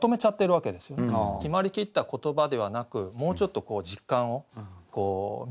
決まりきった言葉ではなくもうちょっと実感を見せていく。